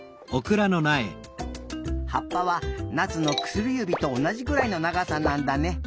はっぱはなつのくすりゆびとおなじぐらいのながさなんだね。